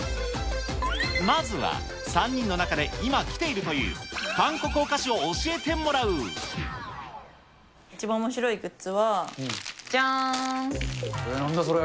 まずは、３人の中で今、きている一番おもしろいグッズは、なんだ、それ。